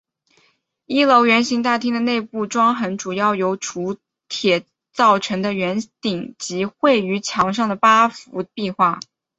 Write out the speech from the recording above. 一楼圆形大厅的内部装潢主要为铸铁造成的圆顶及绘于墙上的八幅壁画。